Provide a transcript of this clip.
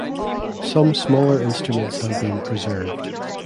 Some smaller instruments have been preserved.